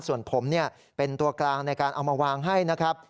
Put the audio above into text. ส่วนผมเป็นตัวกลางในการเอามาวางให้นะครับ